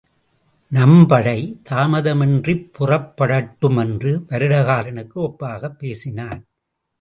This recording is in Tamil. நம்படை தாமதமின்றிப் புறப்படட்டும் என்று வருடகாரனுக்கு ஒப்பாகப் பேசினான்.